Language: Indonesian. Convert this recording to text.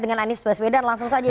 dengan anies baswedan langsung saja